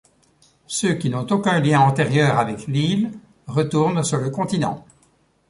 Ceux qui n’ont aucun lien antérieur avec l’île retournent sur le continent.